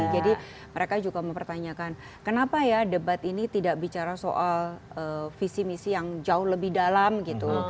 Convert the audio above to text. jadi mereka juga mempertanyakan kenapa ya debat ini tidak bicara soal visi misi yang jauh lebih dalam gitu